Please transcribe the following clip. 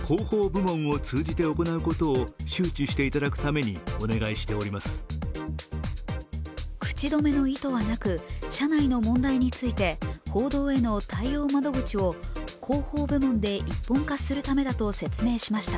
ビッグモーターは口止めの意図はなく社内の問題について報道への対応窓口を広報部門で一本化するためだと説明しました。